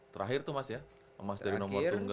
terakhir tuh mas ya emas dari nomor tunggal